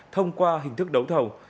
thông qua hình thức đấu thầu